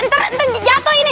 ntar jatuh ini